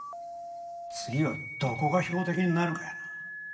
次はどこが標的になるかやな。